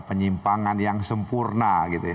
penyimpangan yang sempurna